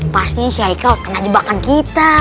pasti si aikal kena jebakan kita